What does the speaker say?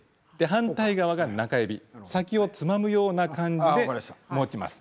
反対側に中指つまむような形で持ちます。